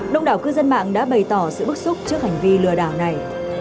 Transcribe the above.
đông đảo cư dân mạng đã bày tỏ sự bức xúc trước hành vi lừa đảo này